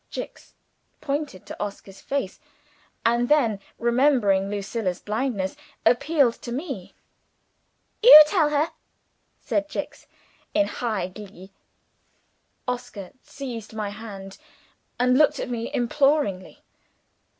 Jicks pointed to Oscar's face, and then, remembering Lucilla's blindness, appealed to me. "You tell her!" said Jicks, in high glee. Oscar seized my hand, and looked at me imploringly.